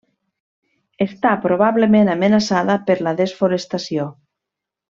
Està probablement amenaçada per la desforestació.